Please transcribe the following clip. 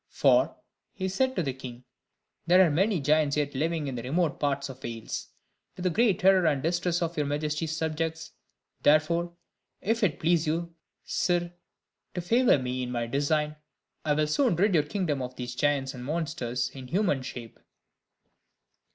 "For," said he to the king, "there are many giants yet living in the remote parts of Wales, to the great terror and distress of your majesty's subjects; therefore, if it please you, sire, to favour me in my design, I will soon rid your kingdom of these giants and monsters in human shape."